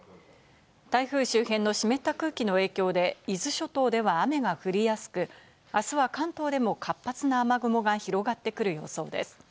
台風周辺の湿った空気の影響で、伊豆諸島では雨が降りやすく、あすは関東でも活発な雨雲が広がってくる予想です。